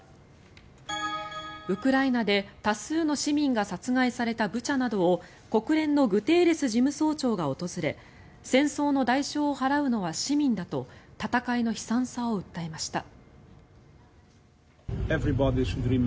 ウクライナで多数の市民が殺害されたブチャなどを国連のグテーレス事務総長が訪れ戦争の代償を払うのは市民だと戦いの悲惨さを訴えました。